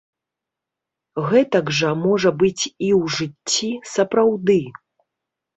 Гэтак жа можа быць i ў жыццi сапраўды!..